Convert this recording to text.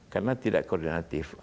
karena tidak koordinatif